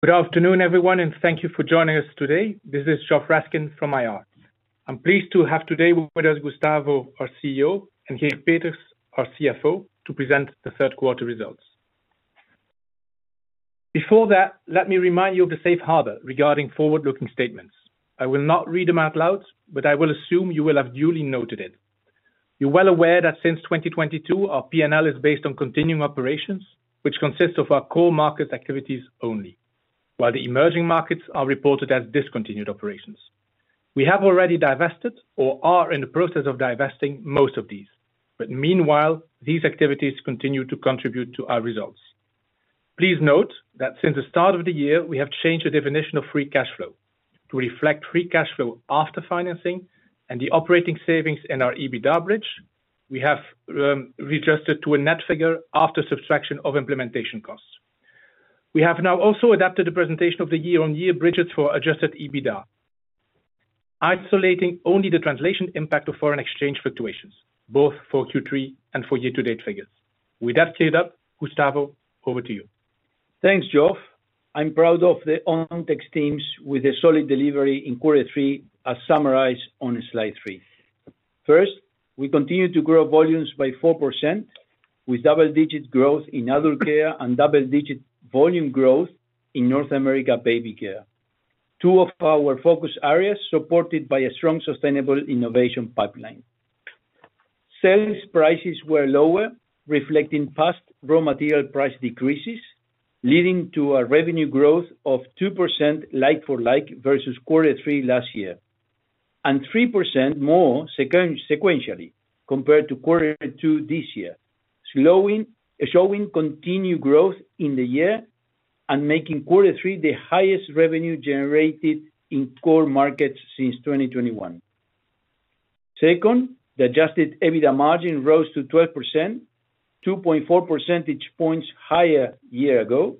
Good afternoon, everyone, and thank you for joining us today. This is Geoff Raskin from IR. I'm pleased to have today with us, Gustavo, our CEO, and Geert Peeters, our CFO, to present the third quarter results. Before that, let me remind you of the safe harbor regarding forward-looking statements. I will not read them out loud, but I will assume you will have duly noted it. You're well aware that since 2022, our P&L is based on continuing operations, which consists of our core market activities only, while the emerging markets are reported as discontinued operations. We have already divested or are in the process of divesting most of these, but meanwhile, these activities continue to contribute to our results. Please note that since the start of the year, we have changed the definition of free cash flow. To reflect free cash flow after financing and the operating savings in our EBITDA bridge, we have readjusted to a net figure after subtraction of implementation costs. We have now also adapted the presentation of the year-on-year bridges for adjusted EBITDA, isolating only the translation impact of foreign exchange fluctuations, both for Q3 and for year-to-date figures. With that cleared up, Gustavo, over to you. Thanks, Geoff. I'm proud of the Ontex teams with a solid delivery in quarter three, as summarized on slide 3. First, we continue to grow volumes by 4%, with double-digit growth in adult care and double-digit volume growth in North America baby care. Two of our focus areas, supported by a strong, sustainable innovation pipeline. Sales prices were lower, reflecting past raw material price decreases, leading to a revenue growth of 2% like-for-like versus quarter three last year, and 3% more sequentially, compared to quarter two this year. Showing continued growth in the year and making quarter three the highest revenue generated in core markets since 2021. Second, the adjusted EBITDA margin rose to 12%, 2.4 percentage points higher year ago,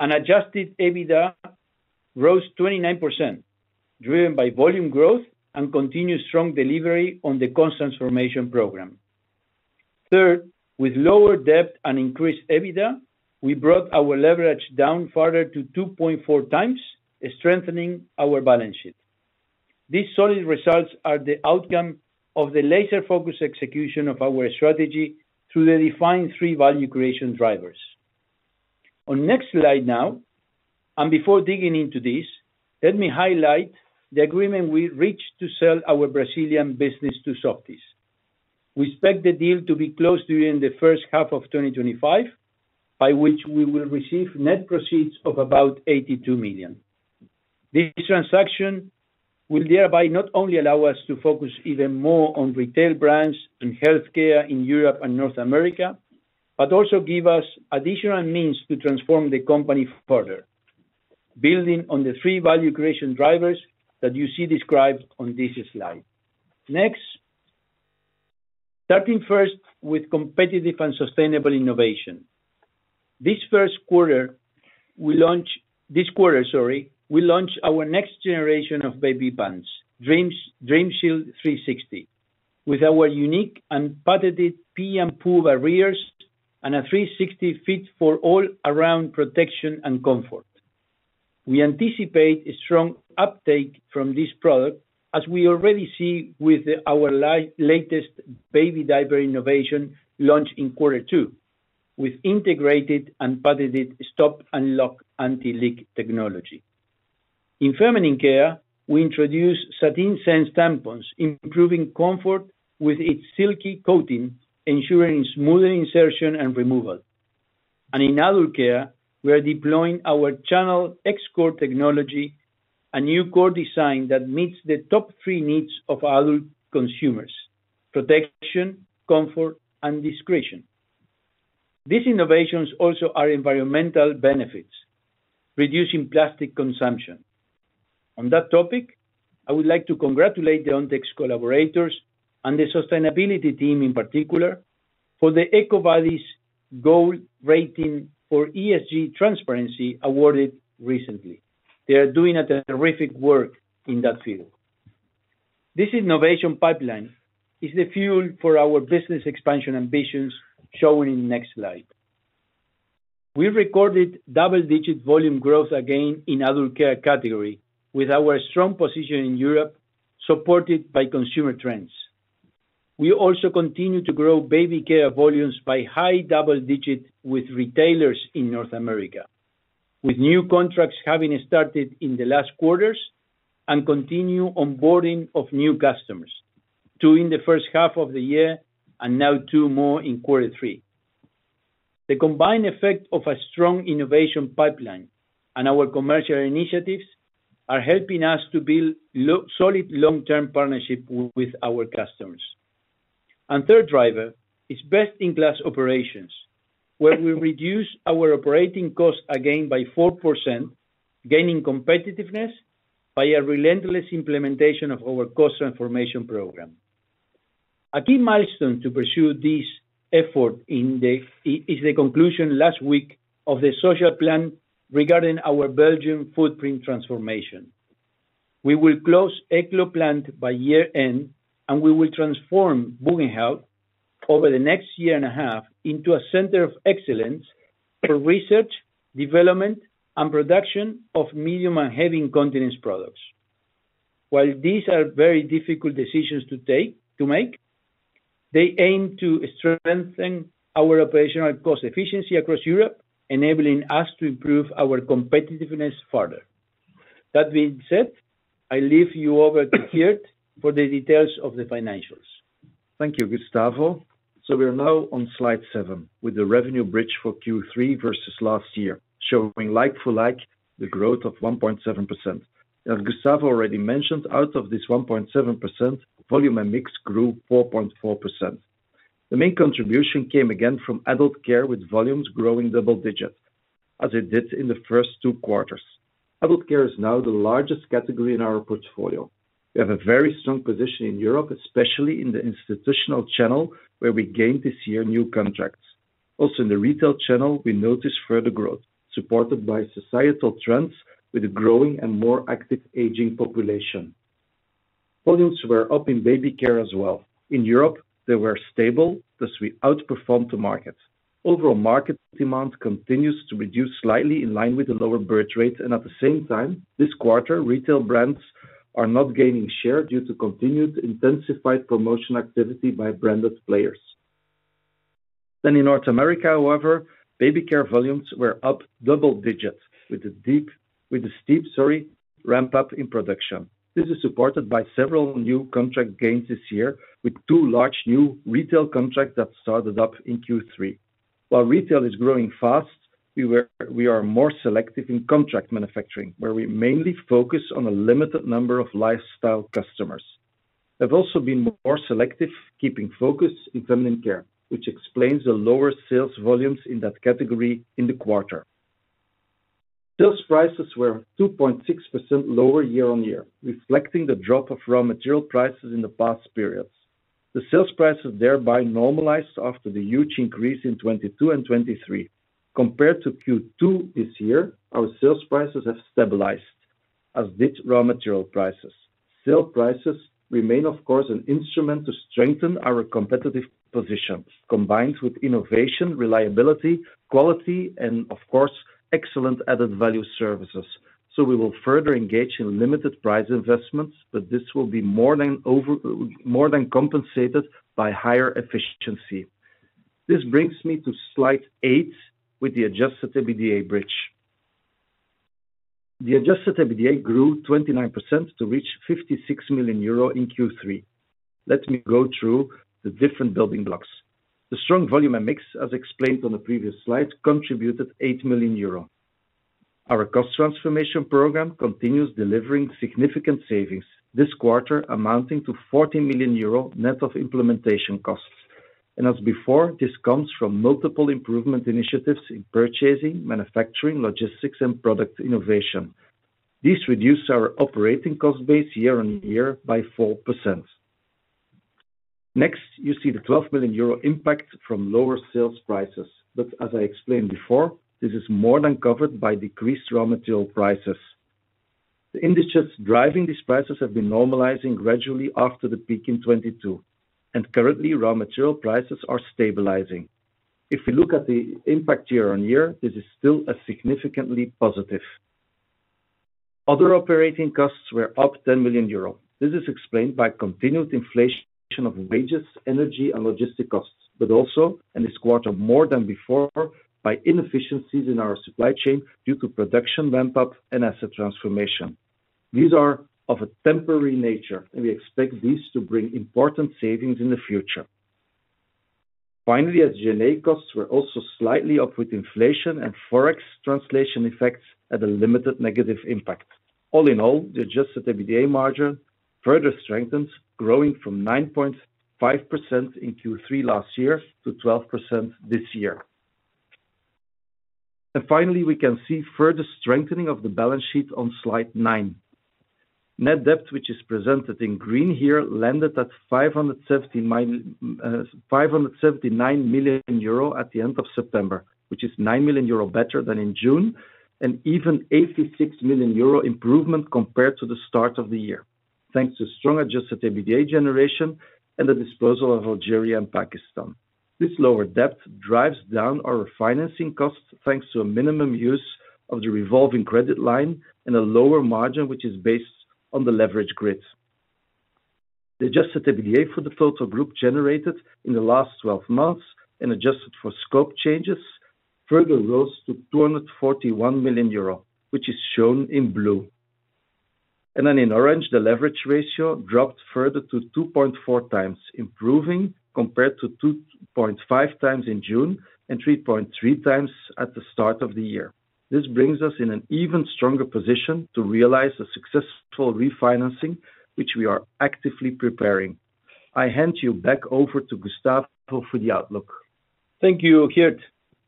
and adjusted EBITDA rose 29%, driven by volume growth and continued strong delivery on the cost transformation program. Third, with lower debt and increased EBITDA, we brought our leverage down further to 2.4x, strengthening our balance sheet. These solid results are the outcome of the laser-focused execution of our strategy through the defined three value creation drivers. On next slide now, and before digging into this, let me highlight the agreement we reached to sell our Brazilian business to Softys. We expect the deal to be closed during the first half of 2025, by which we will receive net proceeds of about 82 million. This transaction will thereby not only allow us to focus even more on retail brands and healthcare in Europe and North America, but also give us additional means to transform the company further, building on the three value creation drivers that you see described on this slide. Next, starting first with competitive and sustainable innovation. This first quarter, we launch--this quarter, we launch our next generation of baby pants, Dreamshield 360° with our unique and patented pee and poo barriers, and a 360 fit for all around protection and comfort. We anticipate a strong uptake from this product, as we already see with our latest baby diaper innovation launched in quarter two, with integrated and patented Stop & Lock anti-leak technology. In feminine care, we introduce SatinSense tampons, improving comfort with its silky coating, ensuring smoother insertion and removal. And in adult care, we are deploying our Channel-X core technology, a new core design that meets the top three needs of adult consumers: protection, comfort, and discretion. These innovations also are environmental benefits, reducing plastic consumption. On that topic, I would like to congratulate the Ontex collaborators and the sustainability team in particular, for the EcoVadis Gold rating for ESG transparency awarded recently. They are doing a terrific work in that field. This innovation pipeline is the fuel for our business expansion ambitions, shown in the next slide. We recorded double-digit volume growth again in adult care category, with our strong position in Europe, supported by consumer trends. We also continue to grow baby care volumes by high double digits with retailers in North America, with new contracts having started in the last quarters and continue onboarding of new customers, two in the first half of the year and now two more in quarter three. The combined effect of a strong innovation pipeline and our commercial initiatives are helping us to build solid long-term partnership with our customers, and third driver is best-in-class operations, where we reduce our operating costs again by 4%, gaining competitiveness by a relentless implementation of our cost transformation program. A key milestone to pursue this effort in the is the conclusion last week of the social plan regarding our Belgian footprint transformation. We will close Eeklo plant by year-end, and we will transform Buggenhout over the next year and a half into a center of excellence for research, development, and production of medium and heavy incontinence products. While these are very difficult decisions to make, they aim to strengthen our operational cost efficiency across Europe, enabling us to improve our competitiveness further. That being said, I leave you over to Geert for the details of the financials. Thank you, Gustavo. So we are now on slide 7, with the revenue bridge for Q3 versus last year, showing like for like, the growth of 1.7%. As Gustavo already mentioned, out of this 1.7%, volume and mix grew 4.4%. The main contribution came again from adult care, with volumes growing double digits, as it did in the first two quarters. Adult care is now the largest category in our portfolio. We have a very strong position in Europe, especially in the institutional channel, where we gained this year new contracts. Also, in the retail channel, we noticed further growth, supported by societal trends with a growing and more active aging population. Volumes were up in baby care as well. In Europe, they were stable, thus we outperformed the market. Overall market demand continues to reduce slightly in line with the lower birth rate, and at the same time this quarter, retail brands are not gaining share due to continued intensified promotional activity by branded players. Then in North America, however, baby care volumes were up double digits with a steep, sorry, ramp-up in production. This is supported by several new contract gains this year, with two large new retail contracts that started up in Q3. While retail is growing fast, we are more selective in contract manufacturing, where we mainly focus on a limited number of lifestyle customers. We've also been more selective, keeping focus in feminine care, which explains the lower sales volumes in that category in the quarter. Sales prices were 2.6% lower year on year, reflecting the drop of raw material prices in the past periods. The sales prices thereby normalized after the huge increase in 2022 and 2023. Compared to Q2 this year, our sales prices have stabilized, as did raw material prices. Sales prices remain, of course, an instrument to strengthen our competitive position, combined with innovation, reliability, quality, and of course, excellent added value services. So we will further engage in limited price investments, but this will be more than over, more than compensated by higher efficiency. This brings me to slide 8, with the adjusted EBITDA bridge. The adjusted EBITDA grew 29% to reach 56 million euro in Q3. Let me go through the different building blocks. The strong volume and mix, as explained on the previous slide, contributed 8 million euro. Our cost transformation program continues delivering significant savings, this quarter amounting to 40 million euro, net of implementation costs. As before, this comes from multiple improvement initiatives in purchasing, manufacturing, logistics, and product innovation. These reduce our operating cost base year on year by 4%. Next, you see the 12 million euro impact from lower sales prices. But as I explained before, this is more than covered by decreased raw material prices. The industries driving these prices have been normalizing gradually after the peak in 2022, and currently, raw material prices are stabilizing. If we look at the impact year on year, this is still a significantly positive. Other operating costs were up 10 million euro. This is explained by continued inflation of wages, energy, and logistic costs, but also, in this quarter, more than before, by inefficiencies in our supply chain due to production ramp-up and asset transformation. These are of a temporary nature, and we expect these to bring important savings in the future. Finally, as G&A costs were also slightly up, with inflation and Forex translation effects at a limited negative impact. All in all, the adjusted EBITDA margin further strengthens, growing from 9.5% in Q3 last year to 12% this year. And finally, we can see further strengthening of the balance sheet on slide 9. Net debt, which is presented in green here, landed at 579 million euro at the end of September, which is 9 million euro better than in June, and even 86 million euro improvement compared to the start of the year, thanks to strong adjusted EBITDA generation and the disposal of Algeria and Pakistan. This lower debt drives down our refinancing costs, thanks to a minimum use of the revolving credit line and a lower margin, which is based on the leverage grid. The adjusted EBITDA for the Ontex Group generated in the last 12 months and adjusted for scope changes, further rose to 241 million euro, which is shown in blue, and then in orange, the leverage ratio dropped further to 2.4x, improving compared to 2.5x in June and 3.3x at the start of the year. This brings us in an even stronger position to realize a successful refinancing, which we are actively preparing. I hand you back over to Gustavo for the outlook. Thank you, Geert.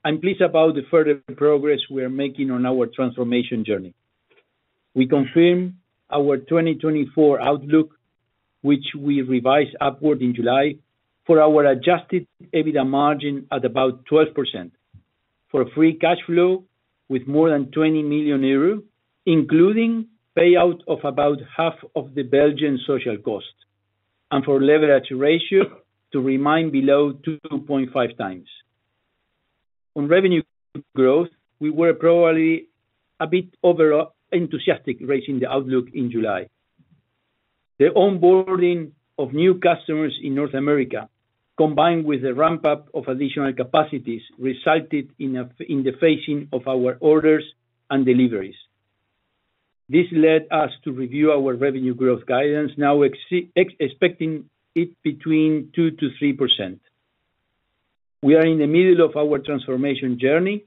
I'm pleased about the further progress we are making on our transformation journey. We confirm our 2024 outlook, which we revised upward in July for our adjusted EBITDA margin at about 12% for a free cash flow with more than 20 million euros, including payout of about half of the Belgian social costs, and for leverage ratio to remain below 2.5x. On revenue growth, we were probably a bit over enthusiastic raising the outlook in July. The onboarding of new customers in North America, combined with the ramp-up of additional capacities, resulted in the phasing of our orders and deliveries. This led us to review our revenue growth guidance, now expecting it between 2% to 3%. We are in the middle of our transformation journey,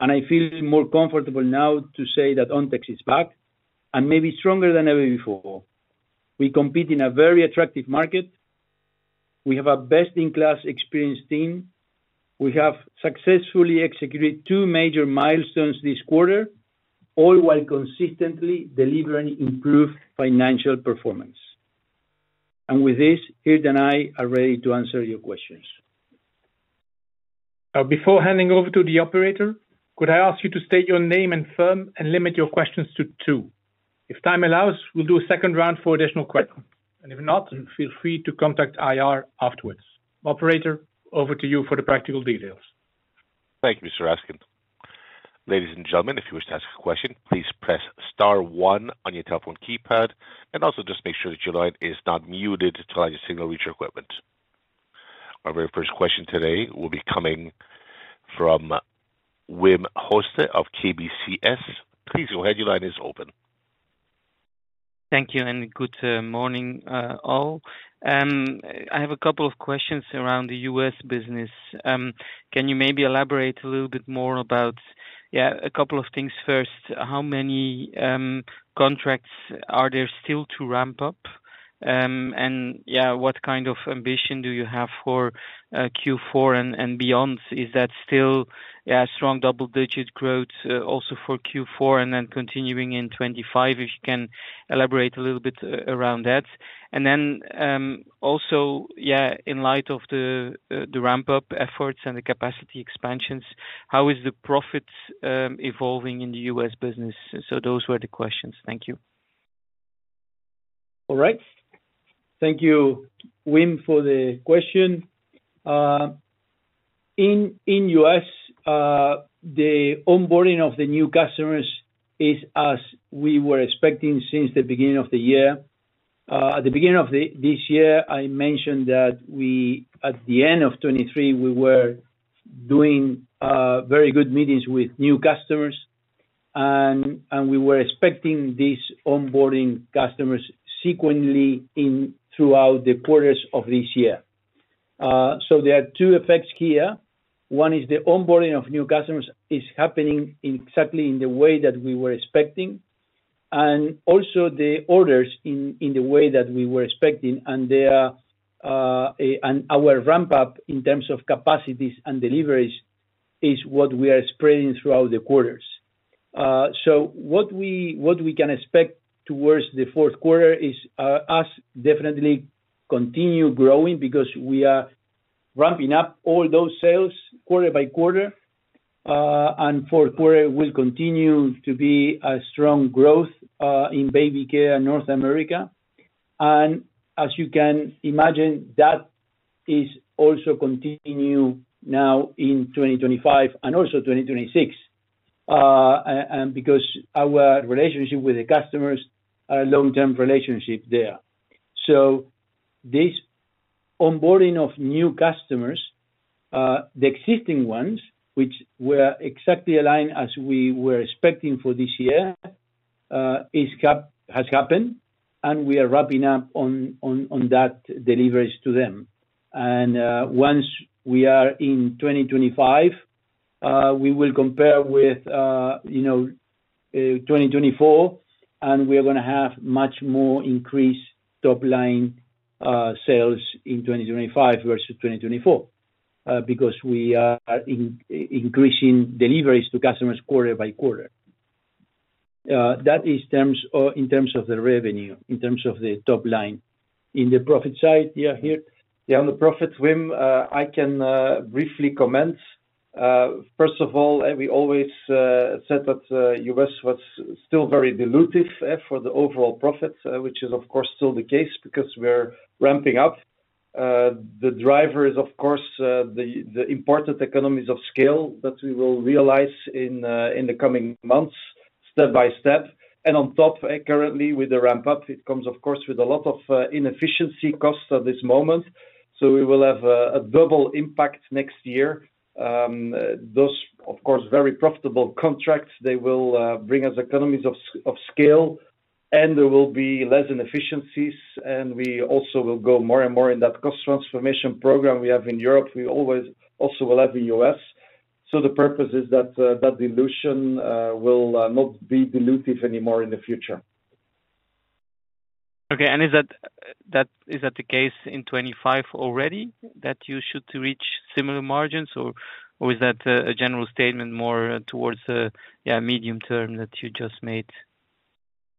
and I feel more comfortable now to say that Ontex is back, and maybe stronger than ever before. We compete in a very attractive market. We have a best-in-class experienced team. We have successfully executed two major milestones this quarter, all while consistently delivering improved financial performance. And with this, Geert and I are ready to answer your questions. Before handing over to the operator, could I ask you to state your name and firm and limit your questions to two? If time allows, we'll do a second round for additional questions, and if not, feel free to contact IR afterwards. Operator, over to you for the practical details. Thank you, Mr. Raskin. Ladies and gentlemen, if you wish to ask a question, please press star one on your telephone keypad, and also just make sure that your line is not muted until I signal reach your equipment. Our very first question today will be coming from Wim Hoste of KBC Securities. Please go ahead, your line is open. Thank you and good morning, all. I have a couple of questions around the U.S. business. Can you maybe elaborate a little bit more about a couple of things first, how many contracts are there still to ramp up? And what kind of ambition do you have for Q4 and beyond? Is that still strong double-digit growth also for Q4 and then continuing in 2025? If you can elaborate a little bit around that. And then also, in light of the ramp-up efforts and the capacity expansions, how is the profit evolving in the U.S. business? So those were the questions. Thank you. All right. Thank you, Wim, for the question. In the U.S., the onboarding of the new customers is as we were expecting since the beginning of the year. At the beginning of this year, I mentioned that we, at the end of 2023, we were doing very good meetings with new customers, and we were expecting these onboarding customers sequentially throughout the quarters of this year, so there are two effects here. One is the onboarding of new customers is happening exactly in the way that we were expecting, and also the orders in the way that we were expecting, and they are, and our ramp-up in terms of capacities and deliveries, is what we are spreading throughout the quarters. So what we can expect towards the fourth quarter is us definitely continue growing because we are ramping up all those sales quarter by quarter, and fourth quarter will continue to be a strong growth in baby care in North America. As you can imagine, that is also continue now in 2025 and also 2026. And because our relationship with the customers are long-term relationship there. So this onboarding of new customers, the existing ones, which were exactly aligned as we were expecting for this year, has happened, and we are wrapping up on that deliveries to them. Once we are in 2025, we will compare with, you know, 2024, and we are gonna have much more increased top line sales in 2025 versus 2024, because we are increasing deliveries to customers quarter by quarter. That is terms, in terms of the revenue, in terms of the top line. In the profit side, yeah, Geert? Yeah, on the profit Wim, I can briefly comment. First of all, we always said that U.S. was still very dilutive for the overall profit, which is, of course, still the case because we're ramping up. The driver is, of course, the important economies of scale that we will realize in the coming months, step by step. And on top, currently with the ramp-up, it comes of course, with a lot of inefficiency costs at this moment. So we will have a double impact next year. Those, of course, very profitable contracts, they will bring us economies of scale, and there will be less inefficiencies, and we also will go more and more in that cost transformation program we have in Europe. We always also will have the U.S. The purpose is that dilution will not be dilutive anymore in the future. Okay. Is that the case in 2025 already, that you should reach similar margins, or is that a general statement more towards the medium term that you just made?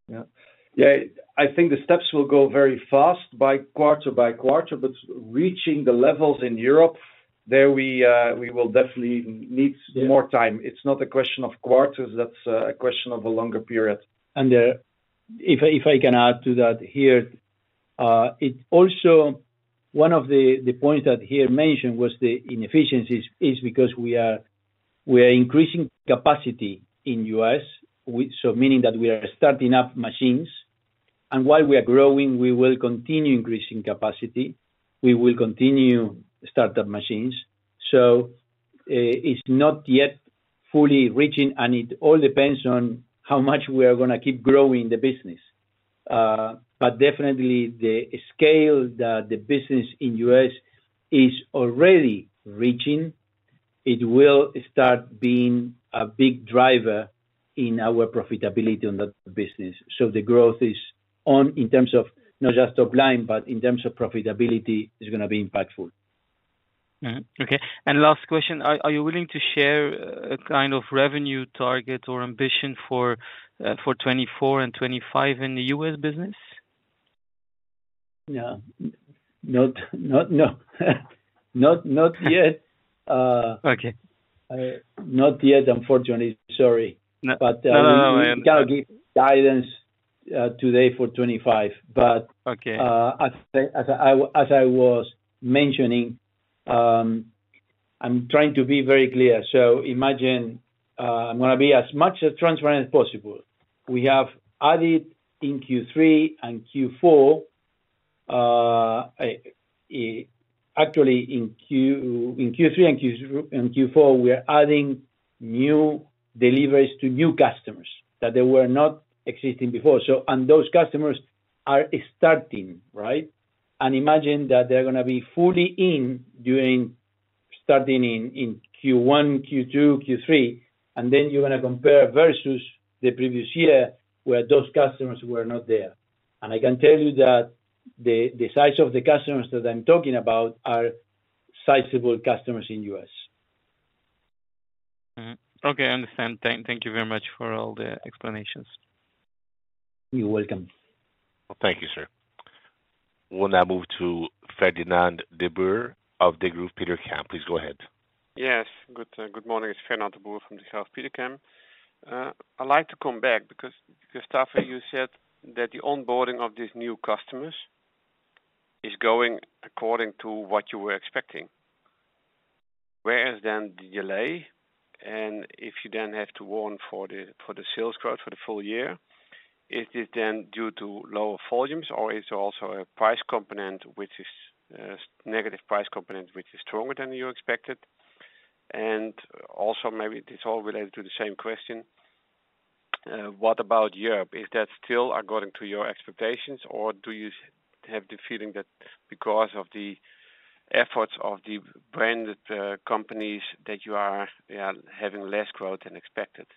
Yeah, I think the steps will go very fast by quarter by quarter, but reaching the levels in Europe, there we will definitely need more time. It's not a question of quarters, that's a question of a longer period. If I can add to that here, it also one of the points that he had mentioned was the inefficiencies is because we are increasing capacity in U.S., with so meaning that we are starting up machines, and while we are growing, we will continue increasing capacity, we will continue start up machines. So, it's not yet fully reaching, and it all depends on how much we are gonna keep growing the business. But definitely the scale that the business in U.S. is already reaching, it will start being a big driver in our profitability on that business. So the growth is on in terms of not just top line, but in terms of profitability, is gonna be impactful. Okay, and last question. Are you willing to share a kind of revenue target or ambition for 2024 and 2025 in the U.S. business? Yeah. Not yet. Okay. Not yet, unfortunately. Sorry. But, we cannot give guidance today for 2025, but as I was mentioning, I'm trying to be very clear. So imagine, I'm gonna be as much as transparent as possible. We have added in Q3 and Q4, actually in Q3 and Q4, we are adding new deliveries to new customers that they were not existing before. So, and those customers are starting, right? And imagine that they're gonna be fully in during, starting in Q1, Q2, Q3, and then you're gonna compare versus the previous year, where those customers were not there. And I can tell you that the size of the customers that I'm talking about are sizable customers in U.S. Okay, I understand. Thank you very much for all the explanations. You're welcome. Thank you, sir. We'll now move to Fernand de Boer of Degroof Petercam. Please go ahead. Yes, good, good morning. It's Fernand de Boer from Degroof Petercam. I'd like to come back because, Gustavo, you said that the onboarding of these new customers is going according to what you were expecting. Where is then the delay? And if you then have to warn for the, for the sales growth for the full year, is it then due to lower volumes, or is it also a price component, which is, negative price component, which is stronger than you expected? And also maybe it's all related to the same question: What about Europe? Is that still according to your expectations, or do you have the feeling that because of the efforts of the branded, companies, that you are, having less growth than expected?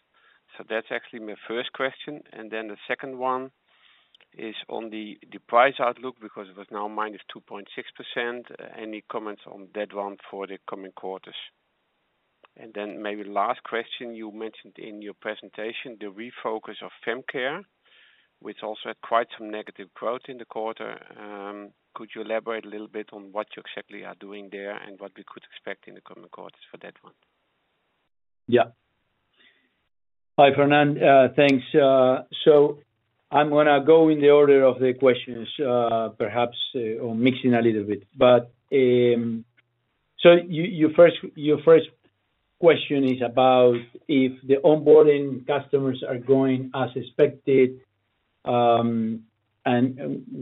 So that's actually my first question. And then the second one is on the price outlook, because it was now -2.6%. Any comments on that one for the coming quarters? And then maybe last question, you mentioned in your presentation the refocus of fem care, which also had quite some negative growth in the quarter. Could you elaborate a little bit on what you exactly are doing there and what we could expect in the coming quarters for that one? Yeah. Hi, Fernand, thanks. So I'm gonna go in the order of the questions, perhaps, or mixing a little bit. But, so you, your first question is about if the onboarding customers are going as expected, and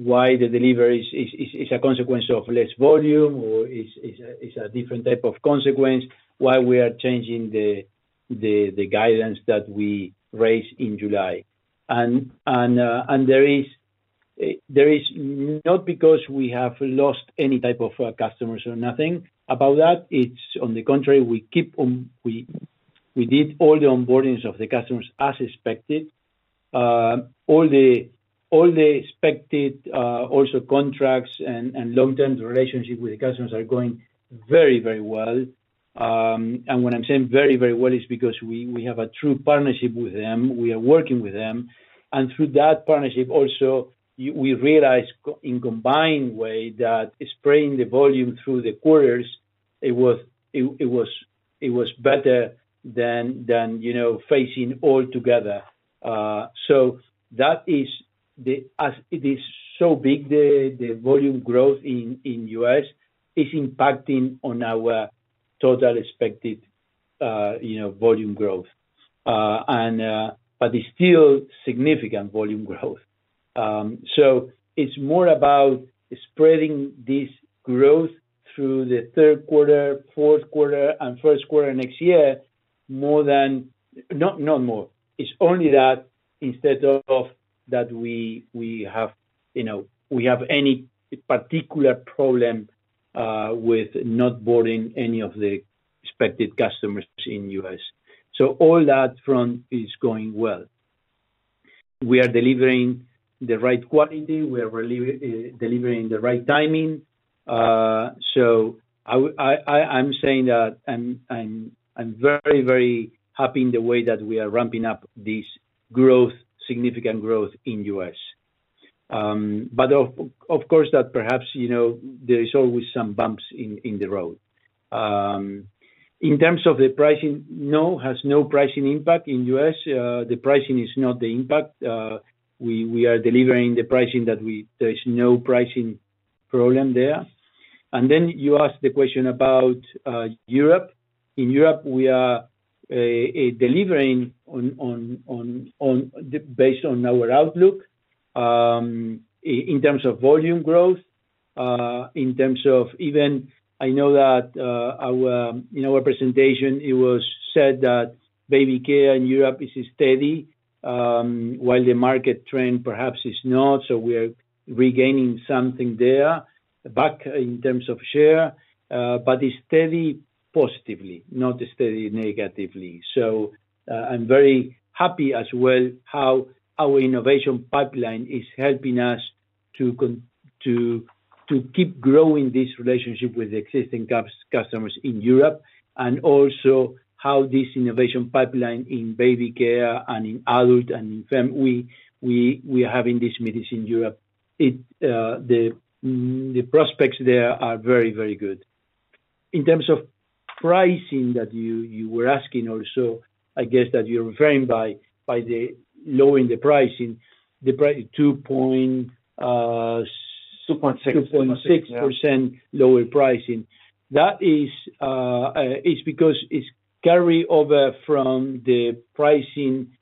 why the delivery is a consequence of less volume or is a different type of consequence, why we are changing the guidance that we raised in July. And there is not because we have lost any type of customers or nothing about that, it's on the contrary, we keep on, we did all the onboardings of the customers as expected. All the expected also contracts and long-term relationship with the customers are going very well. And when I'm saying very, very well, it's because we have a true partnership with them. We are working with them, and through that partnership also, we realize in a combined way that spreading the volume through the quarters, it was better than you know, facing all together. So that is. As it is so big, the volume growth in U.S. is impacting on our total expected you know, volume growth. And but it's still significant volume growth. So it's more about spreading this growth through the third quarter, fourth quarter, and first quarter next year, more than. Not more, it's only that instead of that we have you know, we have any particular problem with not onboarding any of the expected customers in U.S. So all that front is going well. We are delivering the right quality, we are delivering the right timing. So I'm saying that I'm very happy in the way that we are ramping up this growth, significant growth in U.S. But of course, that perhaps, you know, there is always some bumps in the road. In terms of the pricing, no, has no pricing impact in U.S., the pricing is not the impact. We are delivering the pricing there is no pricing problem there. And then you asked the question about Europe. In Europe, we are delivering on, based on our outlook, in terms of volume growth, in terms of even I know that in our presentation, it was said that baby care in Europe is steady, while the market trend perhaps is not, so we are regaining something there, back in terms of share, but is steady positively, not steady negatively. So, I'm very happy as well how our innovation pipeline is helping us to keep growing this relationship with existing customers in Europe, and also how this innovation pipeline in baby care and in adult and in feminine we are having this meetings in Europe. It, the prospects there are very, very good. In terms of pricing that you were asking also, I guess, that you're referring by the lowering the pricing, the price 2 point-- 2.6%. 2.6% lower pricing. That is, it's because it's carry over from the pricing,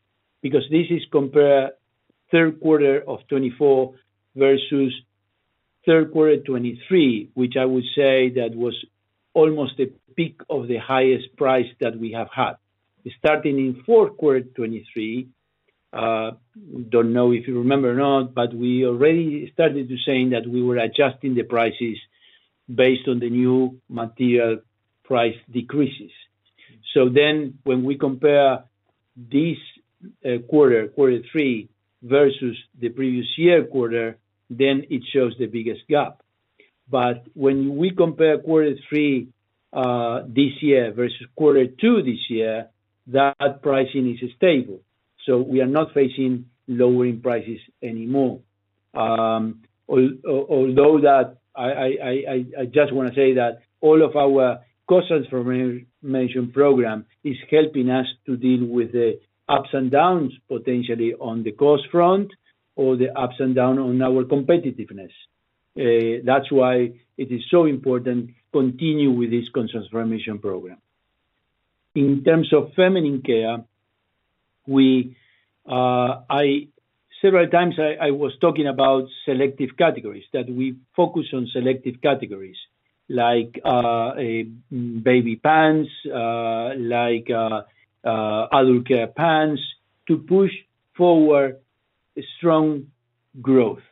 because this is compare third quarter of 2024 versus third quarter 2023, which I would say that was almost the peak of the highest price that we have had. Starting in fourth quarter 2023, don't know if you remember or not, but we already started to saying that we were adjusting the prices based on the new material price decreases. So then when we compare this, quarter, quarter three, versus the previous year quarter, then it shows the biggest gap. But when we compare quarter three, this year versus quarter two this year, that pricing is stable, so we are not facing lowering prices anymore. Although I just wanna say that all of our cost transformation program is helping us to deal with the ups and downs, potentially on the cost front or the ups and down on our competitiveness. That's why it is so important continue with this cost transformation program. In terms of feminine care, several times I was talking about selective categories, that we focus on selective categories, like a baby pants, like adult care pants, to push forward strong growth.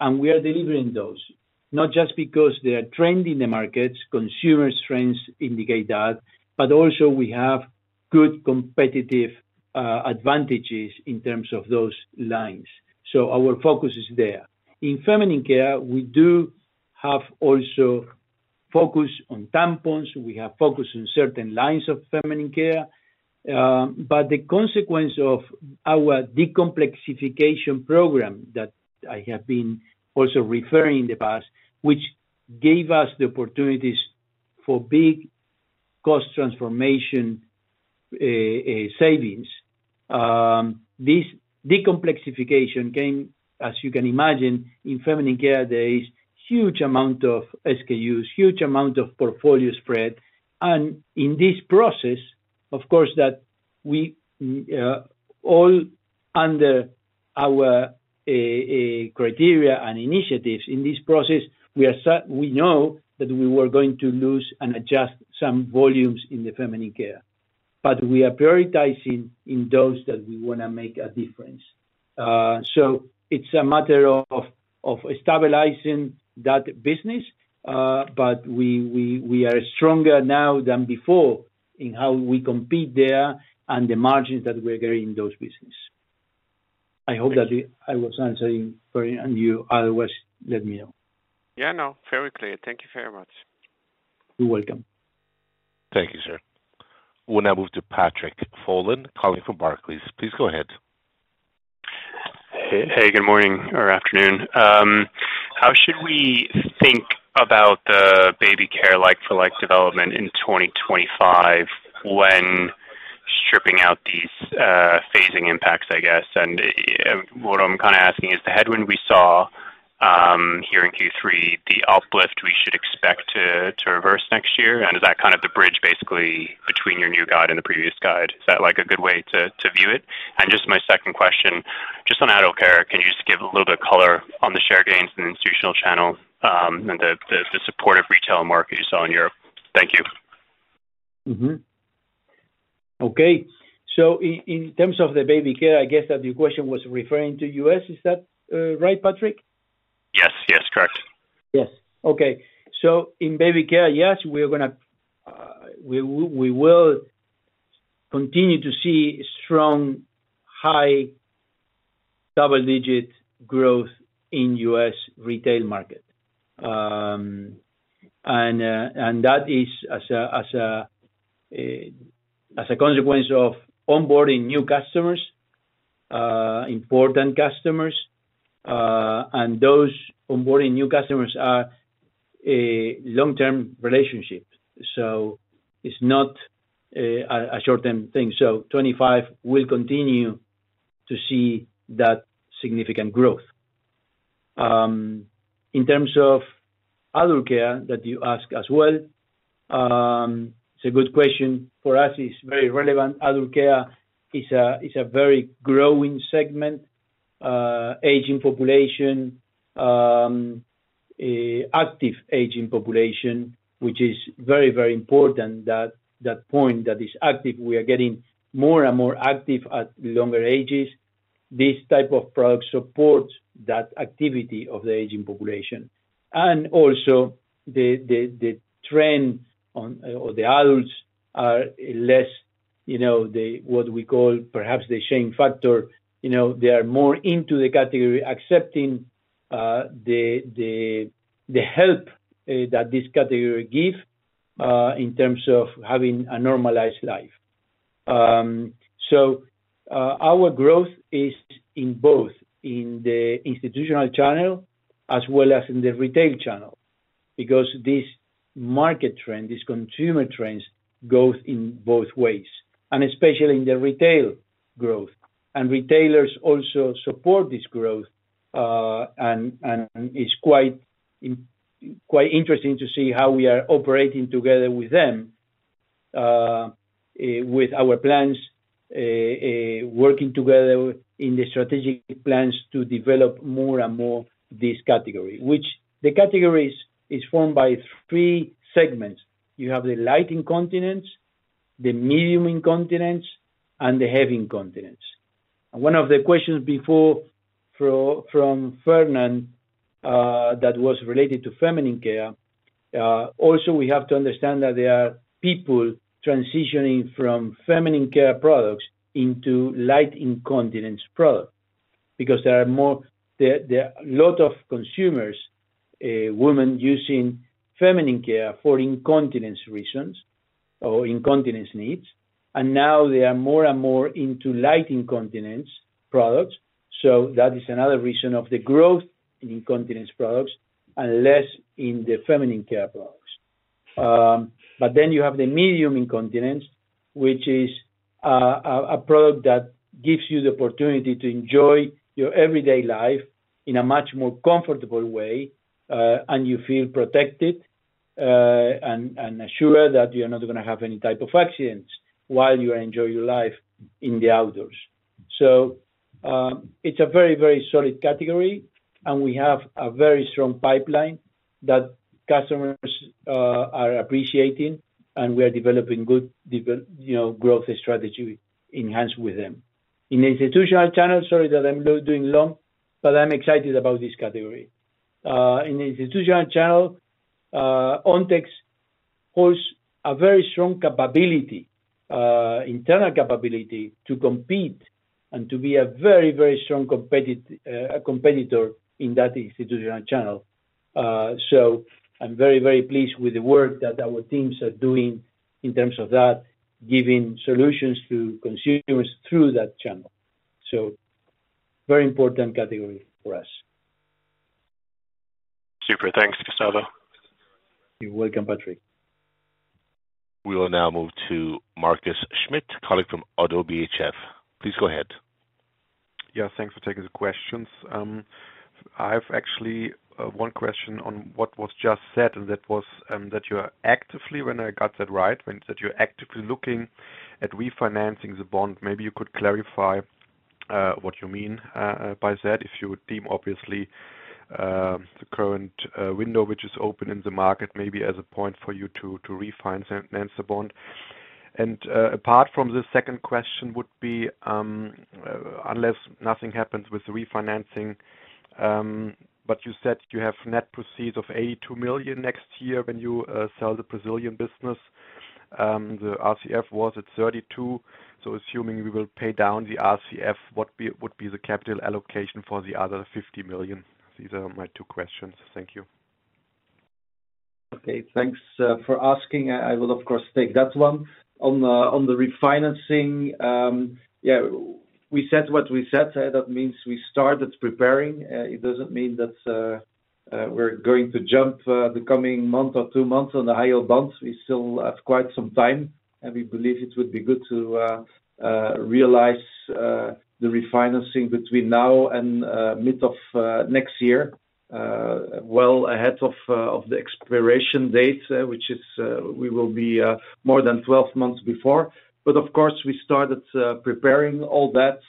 We are delivering those, not just because they are trending in the markets, consumer trends indicate that, but also we have good competitive advantages in terms of those lines, so our focus is there. In feminine care, we do have also focus on tampons, we have focus on certain lines of feminine care, but the consequence of our decomplexification program that I have been also referring in the past, which gave us the opportunities for big cost transformation, savings. This decomplexification came, as you can imagine, in feminine care, there is huge amount of SKUs, huge amount of portfolio spread. And in this process, of course, that we, all under our, criteria and initiatives in this process, we know that we were going to lose and adjust some volumes in the feminine care, but we are prioritizing in those that we wanna make a difference. So it's a matter of stabilizing that business, but we are stronger now than before in how we compete there and the margins that we're getting in those business. I hope that I was answering for you, and otherwise let me know. Yeah, no, very clear. Thank you very much. You're welcome. Thank you, sir. We'll now move to Patrick Folan, calling from Barclays. Please go ahead. Hey, hey, good morning or afternoon. How should we think about the baby care like-for-like development in 2025 when stripping out these phasing impacts, I guess? And what I'm kind of asking is the headwind we saw here in Q3, the uplift we should expect to reverse next year, and is that kind of the bridge basically between your new guide and the previous guide? Is that like a good way to view it? And just my second question, just on adult care, can you just give a little bit color on the share gains in the institutional channel, and the supportive retail market you saw in Europe? Thank you. Okay. So in terms of the baby care, I guess that your question was referring to U.S., is that right, Patrick? Yes, correct. Yes. Okay. So in baby care, yes, we're gonna we will continue to see strong high double-digit growth in U.S. retail market. And that is as a consequence of onboarding new customers, important customers, and those onboarding new customers are a long-term relationship, so it's not a short-term thing. So 2025 will continue to see that significant growth. In terms of adult care that you ask as well, it's a good question. For us, it's very relevant. Adult care is a very growing segment, aging population, active aging population, which is very, very important that point that is active, we are getting more and more active at longer ages. This type of product supports that activity of the aging population. And also the trend on, or the adults are less, you know, what we call perhaps the shame factor. You know, they are more into the category accepting the help that this category give in terms of having a normalized life. So, our growth is in both the institutional channel as well as in the retail channel, because this market trend, this consumer trends, goes in both ways, and especially in the retail growth. Retailers also support this growth, and it's quite interesting to see how we are operating together with them with our plans, working together in the strategic plans to develop more and more this category, which the categories is formed by three segments. You have the light incontinence, the medium incontinence, and the heavy incontinence. One of the questions before from Fernand, that was related to feminine care, also, we have to understand that there are people transitioning from feminine care products into light incontinence products. Because there are more and more consumers, women using feminine care for incontinence reasons or incontinence needs, and now they are more and more into light incontinence products. So that is another reason of the growth in incontinence products and less in the feminine care products. But then you have the medium incontinence, which is a product that gives you the opportunity to enjoy your everyday life in a much more comfortable way, and you feel protected, and assured that you are not gonna have any type of accidents while you enjoy your life in the outdoors. So, it's a very, very solid category, and we have a very strong pipeline that customers are appreciating, and we are developing good, you know, growth strategy enhanced with them. In institutional channels. Sorry that I'm going long, but I'm excited about this category. In institutional channel, Ontex holds a very strong capability, internal capability to compete and to be a very, very strong competitor in that institutional channel. I'm very, very pleased with the work that our teams are doing in terms of that, giving solutions to consumers through that channel. So very important category for us. Super. Thanks, Gustavo. You're welcome, Patrick. We will now move to Markus Schmitt, colleague from Oddo BHF. Please go ahead. Yeah, thanks for taking the questions. I have actually one question on what was just said, and that was that you are actively, when I got that right, that you're actively looking at refinancing the bond. Maybe you could clarify what you mean by that, if you would deem, obviously, the current window, which is open in the market, maybe as a point for you to refinance the bond. And apart from the second question would be, unless nothing happens with refinancing, but you said you have net proceeds of 82 million next year when you sell the Brazilian business. The RCF was at 32, so assuming we will pay down the RCF, what would be the capital allocation for the other 50 million? These are my two questions. Thank you. Okay, thanks for asking. I will, of course, take that one. On the refinancing, yeah, we said what we said, that means we started preparing. It doesn't mean that we're going to jump the coming month or two months on the IO bonds. We still have quite some time, and we believe it would be good to realize the refinancing between now and mid of next year, well ahead of the expiration date, which is we will be more than 12 months before. But of course, we started preparing all that.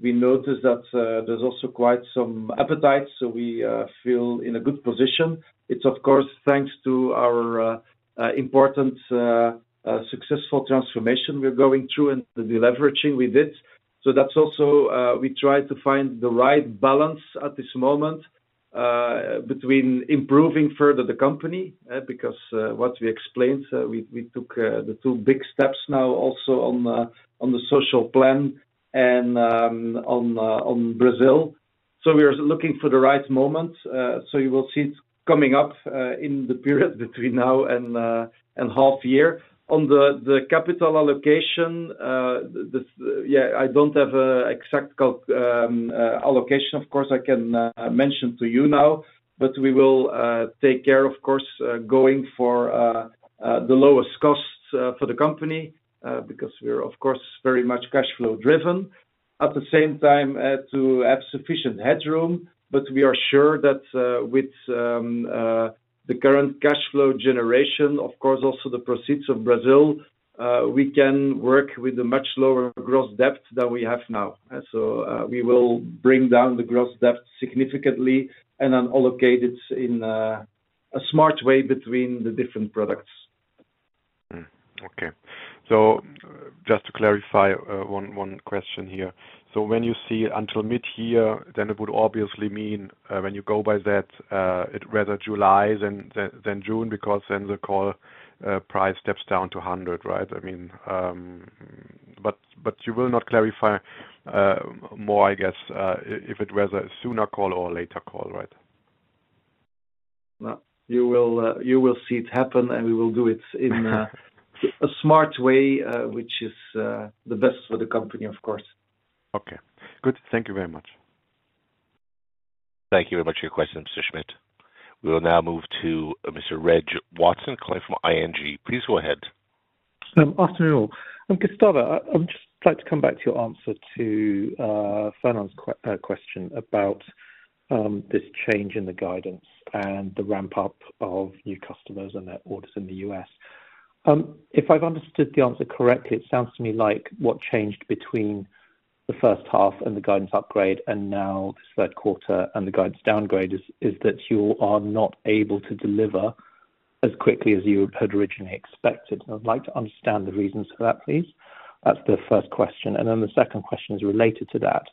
We noticed that there's also quite some appetite, so we feel in a good position. It's of course, thanks to our important successful transformation we're going through and the deleveraging we did. So that's also, we try to find the right balance at this moment between improving further the company, because, what we explained, so we took the two big steps now also on the social plan and on Brazil. So we are looking for the right moment. So you will see it coming up in the period between now and half year. On the capital allocation, I don't have a exact allocation. Of course, I can mention to you now, but we will take care, of course, going for the lowest costs for the company, because we're, of course, very much cash flow driven. At the same time, to have sufficient headroom, but we are sure that, with the current cash flow generation, of course, also the proceeds of Brazil, we can work with a much lower gross debt than we have now. So, we will bring down the gross debt significantly and then allocate it in a smart way between the different products. Okay. So just to clarify, one question here: so when you see until mid-year, then it would obviously mean, when you go by that, it rather July than June, because then the call price steps down to 100, right? I mean, but you will not clarify more, I guess, if it was a sooner call or a later call, right? No. You will see it happen, and we will do it in a smart way, which is the best for the company, of course. Okay. Good. Thank you very much. Thank you very much for your question, Mr. Schmitt. We will now move to Mr. Reg Watson, calling from ING. Please go ahead. Afternoon, all. Gustavo, I'd just like to come back to your answer to Fernand's question about this change in the guidance and the ramp up of new customers and their orders in the U.S. If I've understood the answer correctly, it sounds to me like what changed between the first half and the guidance upgrade, and now this third quarter and the guidance downgrade is that you are not able to deliver as quickly as you had originally expected. I'd like to understand the reasons for that, please. That's the first question, and then the second question is related to that.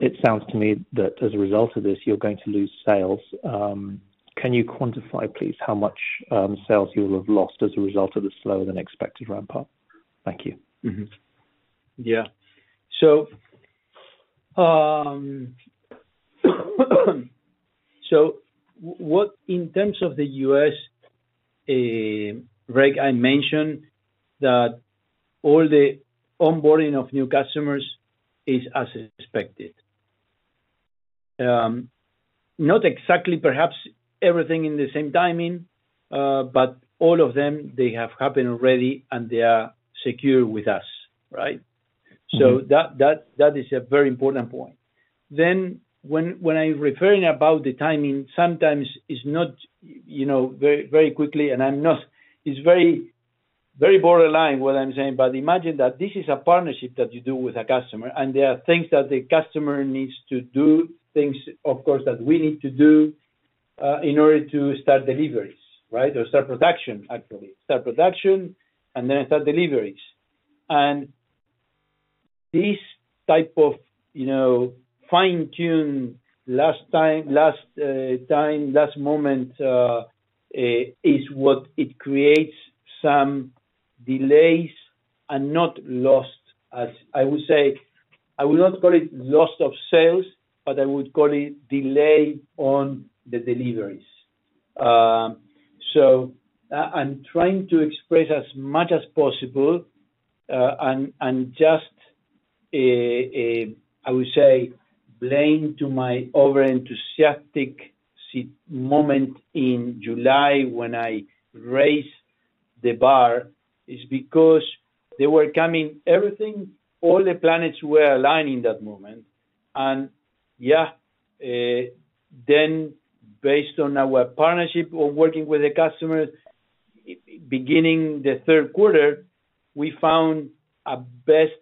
It sounds to me that as a result of this, you're going to lose sales. Can you quantify, please, how much sales you will have lost as a result of the slower than expected ramp up? Thank you. Yeah. So, in terms of the U.S., Reg, I mentioned that all the onboarding of new customers is as expected. Not exactly perhaps everything in the same timing, but all of them, they have happened already, and they are secure with us, right? That is a very important point. When I'm referring about the timing, sometimes it's not, you know, very, very quickly, and it's very, very borderline what I'm saying, but imagine that this is a partnership that you do with a customer, and there are things that the customer needs to do, things, of course, that we need to do in order to start deliveries, right? Or start production, actually. Start production, and then start deliveries. And this type of, you know, fine-tune last time last moment is what it creates some delays and not lost, as I would say. I will not call it loss of sales, but I would call it delay on the deliveries. So, I'm trying to express as much as possible, and just, I would say, blame to my overenthusiastic second moment in July when I raised the bar, is because they were coming everything, all the planets were aligned in that moment. And yeah, then based on our partnership or working with the customers, beginning the third quarter, we found a best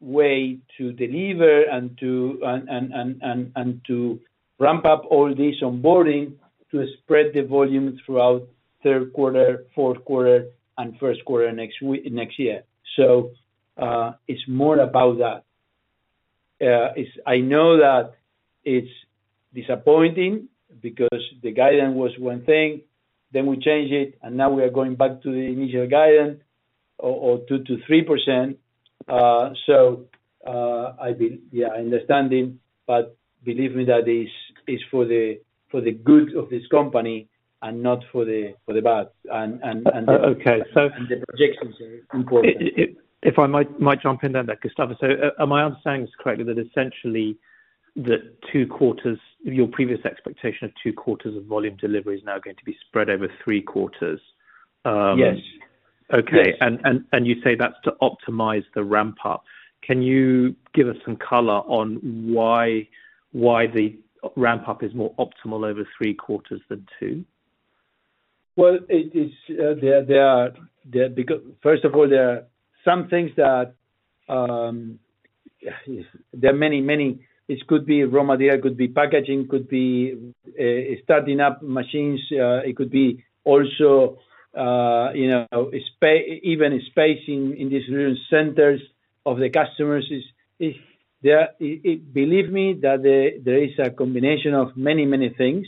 way to deliver and to ramp up all this onboarding, to spread the volume throughout third quarter, fourth quarter, and first quarter next year. So, it's more about that. It's I know that it's disappointing because the guidance was one thing, then we changed it, and now we are going back to the initial guidance of 2%-3%. Yeah, understanding, but believe me, that is for the good of this company and not for the bad. And the projections are important. If I might jump in there, Gustavo. So, am I understanding this correctly, that essentially the two quarters, your previous expectation of two quarters of volume delivery is now going to be spread over three quarters? Yes. Okay. You say that's to optimize the ramp up. Can you give us some color on why the ramp up is more optimal over three quarters than two? Well, it is there. There are. Because first of all, there are some things that there are many, many. This could be raw material, could be packaging, could be starting up machines. It could be also, you know, even spacing in these little centers of the customers is there. Believe me, that there is a combination of many, many things.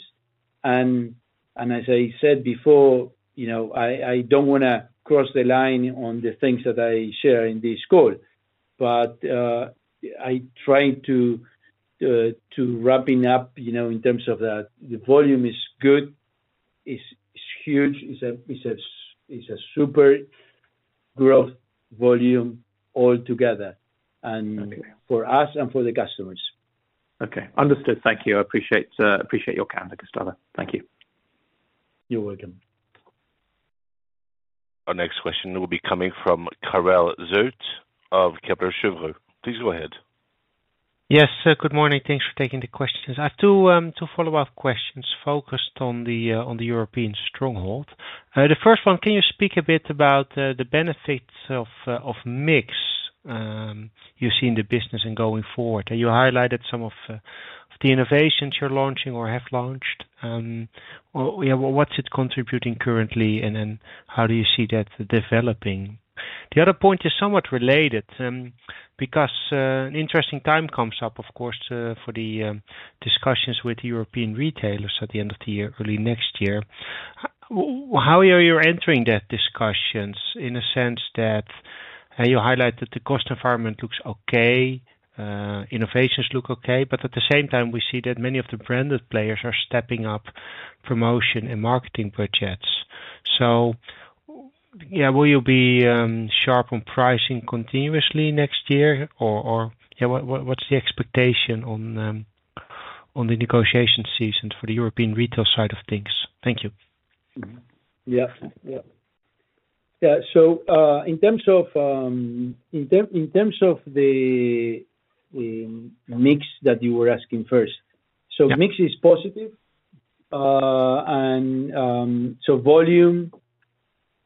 And as I said before, you know, I don't wanna cross the line on the things that I share in this call, but I try to wrapping up, you know, in terms of that, the volume is good, is huge, is a super growth volume altogether, and-for us and for the customers. Okay, understood. Thank you. I appreciate your candor, Gustavo. Thank you. You're welcome. Our next question will be coming from Karel Zoete of Kepler Cheuvreux. Please go ahead. Yes, good morning. Thanks for taking the questions. I have two follow-up questions focused on the European stronghold. The first one, can you speak a bit about the benefits of mix you see in the business and going forward? And you highlighted some of the innovations you're launching or have launched. Yeah, what's it contributing currently, and then how do you see that developing? The other point is somewhat related, because an interesting time comes up, of course, for the discussions with European retailers at the end of the year, early next year. How are you entering those discussions? In a sense that, and you highlighted the cost environment looks okay, innovations look okay, but at the same time, we see that many of the branded players are stepping up promotion and marketing budgets. So, yeah, will you be sharp on pricing continuously next year or, yeah, what's the expectation on the negotiation season for the European retail side of things? Thank you. Yeah, so in terms of the mix that you were asking first. So mix is positive, and so volume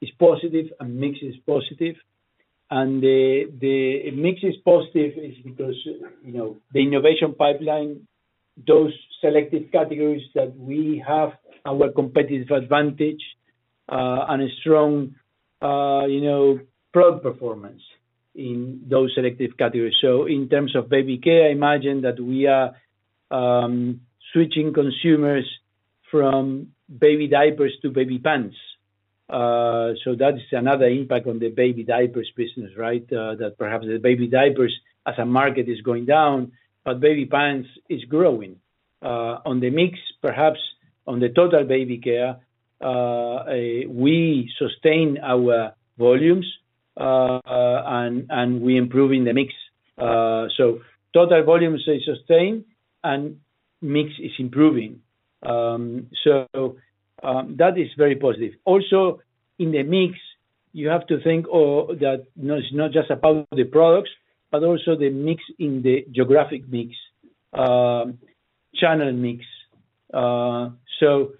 is positive and mix is positive. And the mix is positive is because, you know, the innovation pipeline, those selected categories that we have, our competitive advantage, and a strong, you know, product performance in those selective categories. So in terms of baby care, I imagine that we are switching consumers from baby diapers to baby pants. So that is another impact on the baby diapers business, right? That perhaps the baby diapers as a market is going down, but baby pants is growing. On the mix, perhaps on the total baby care, we sustain our volumes, and we improve in the mix. So total volumes is sustained and mix is improving. So that is very positive. Also, in the mix, you have to think, oh, that no, it's not just about the products, but also the mix in the geographic mix, channel mix. So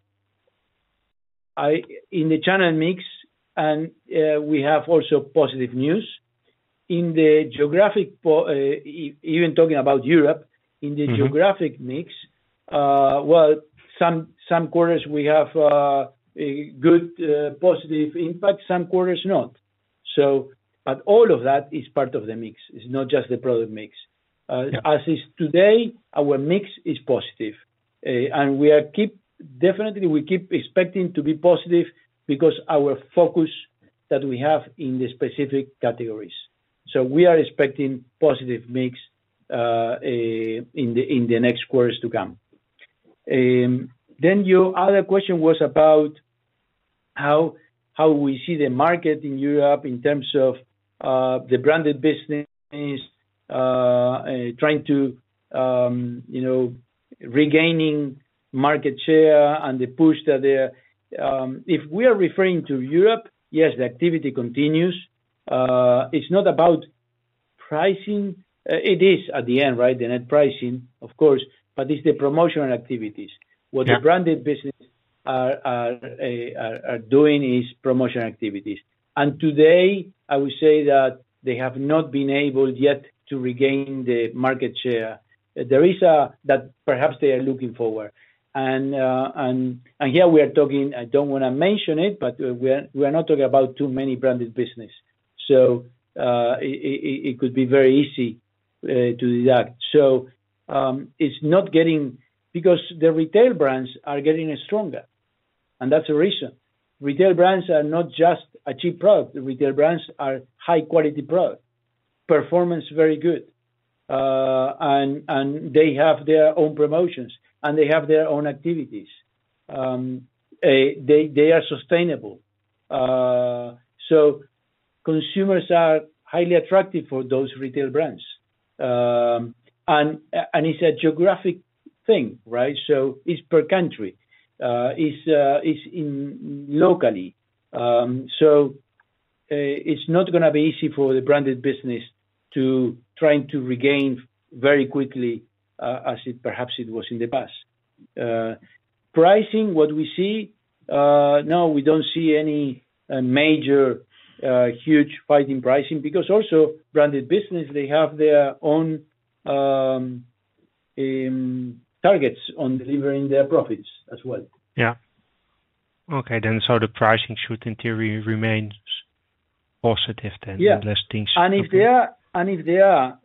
in the channel mix, and, we have also positive news. In the geographic, even talking about Europe in the geographic mix, well, some quarters we have a good positive impact, some quarters not. So, but all of that is part of the mix. It's not just the product mix. Yeah. As is today, our mix is positive, and we are definitely we keep expecting to be positive because our focus that we have in the specific categories. So we are expecting positive mix in the next quarters to come. Then your other question was about how we see the market in Europe in terms of the branded business trying to you know regaining market share and the push that they're. If we are referring to Europe, yes, the activity continues. It's not about pricing, it is at the end, right, the net pricing, of course, but it's the promotional activities. Yeah. What the branded business are doing is promotional activities. Today, I would say that they have not been able yet to regain the market share. There is that perhaps they are looking forward, and here we are talking. I don't wanna mention it, but we are not talking about too many branded business. So, it could be very easy to do that. So, it's not getting. Because the retail brands are getting stronger, and that's the reason. Retail brands are not just a cheap product. The retail brands are high-quality product, performance very good. And they have their own promotions, and they have their own activities. They are sustainable. So consumers are highly attractive for those retail brands. And it's a geographic thing, right? So it's per country, it's in locally. So it's not gonna be easy for the branded business to trying to regain very quickly, as it perhaps was in the past. Pricing, what we see, now we don't see any major huge fight in pricing, because also, branded business, they have their own targets on delivering their profits as well. Yeah. Okay, then so the pricing should in theory remain positive then unless things-- If they are,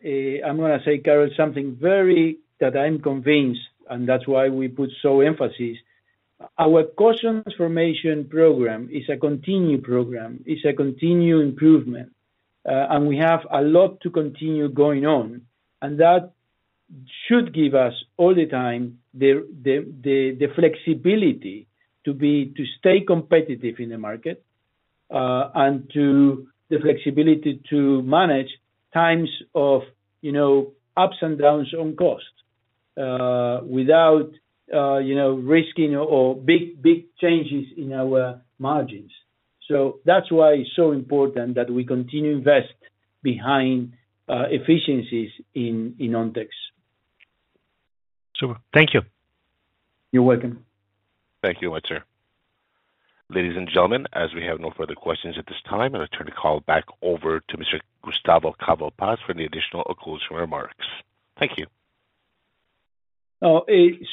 I'm gonna say, Karel, something very that I'm convinced, and that's why we put so emphasis. Our cost transformation program is a continued improvement. And we have a lot to continue going on, and that should give us all the time, the flexibility to be, to stay competitive in the market, and the flexibility to manage times of, you know, ups and downs on costs, without, you know, risking or big changes in our margins. So that's why it's so important that we continue to invest behind efficiencies in Ontex. Super. Thank you. You're welcome. Thank you much, sir. Ladies and gentlemen, as we have no further questions at this time, I'll turn the call back over to Mr. Gustavo Calvo Paz for any additional or closing remarks. Thank you.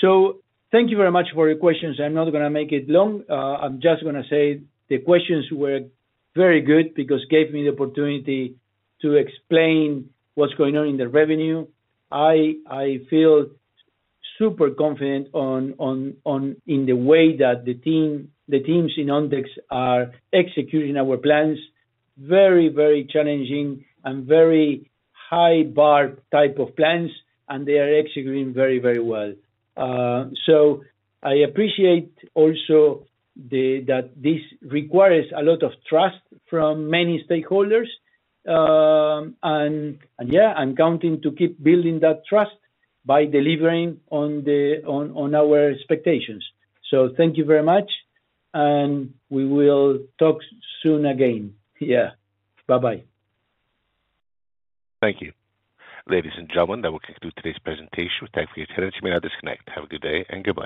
So thank you very much for your questions. I'm not gonna make it long. I'm just gonna say the questions were very good because gave me the opportunity to explain what's going on in the revenue. I feel super confident in the way that the team, the teams in Ontex are executing our plans, very challenging and very high bar type of plans, and they are executing very well. So I appreciate also that this requires a lot of trust from many stakeholders. And yeah, I'm counting to keep building that trust by delivering on our expectations. So thank you very much, and we will talk soon again. Yeah. Bye-bye. Thank you. Ladies and gentlemen, that will conclude today's presentation. Thank you for your attendance, you may now disconnect. Have a good day and goodbye.